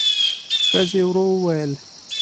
ښځې ورو وويل: